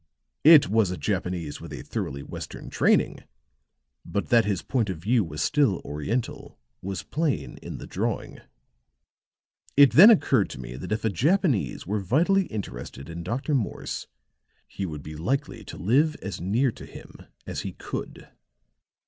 "It was a Japanese with a thoroughly Western training; but that his point of view was still Oriental was plain in the drawing. It then occurred to me that if a Japanese were vitally interested in Dr. Morse he would be likely to live as near to him as he could.